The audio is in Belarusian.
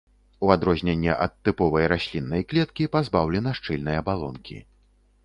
У адрозненне ад тыповай расліннай клеткі пазбаўлена шчыльнай абалонкі.